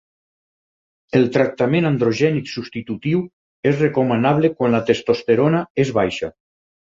El tractament androgènic substitutiu és recomanable quan la testosterona és baixa.